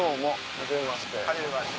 はじめまして。